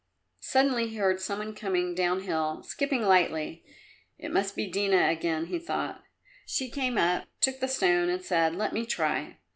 Suddenly he heard some one coming downhill, skipping lightly. "It must be Dina again," he thought. She came up, took the stone and said, "Let me try."